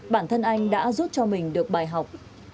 bản thân anh đã giúp cho mình được bài học